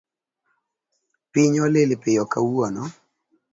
Piny olil piyo kawuono